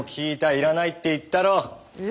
要らないって言ったろう。